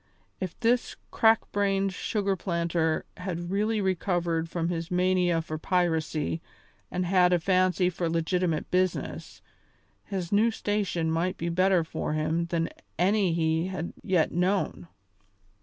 If this crack brained sugar planter had really recovered from his mania for piracy and had a fancy for legitimate business, his new station might be better for him than any he had yet known.